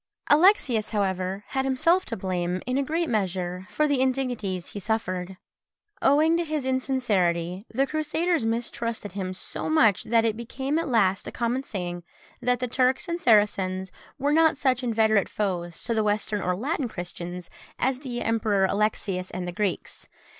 Alexius, however, had himself to blame, in a great measure, for the indignities he suffered: owing to his insincerity, the Crusaders mistrusted him so much, that it became at last a common saying, that the Turks and Saracens were not such inveterate foes to the Western or Latin Christians as the Emperor Alexius and the Greeks.